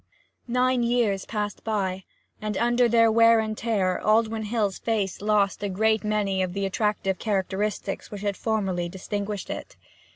Nine years passed by, and under their wear and tear Alwyn Hill's face lost a great many of the attractive characteristics which had formerly distinguished it.